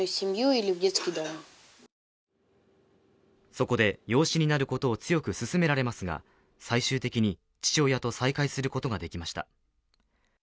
そこで養子になることを強く勧められますが最終的に父親と再会することができました。